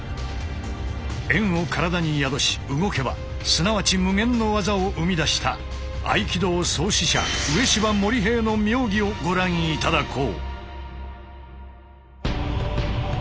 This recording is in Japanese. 円を体に宿し動けばすなわち無限の技を生み出した合気道創始者植芝盛平の妙技をご覧頂こう。